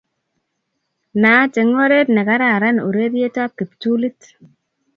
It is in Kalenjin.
Naat eng' oret ne kararan urerietab kiptulit